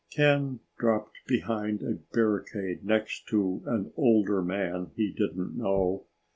Ken dropped behind a barricade next to an older man he didn't know.